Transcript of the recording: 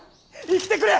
生きてくれ！